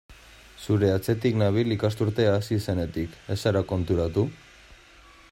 Zure atzetik nabil ikasturtea hasi zenetik, ez zara konturatu?